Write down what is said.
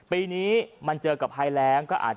ปีนี้มันเจอกับไฮแลงก็อาจ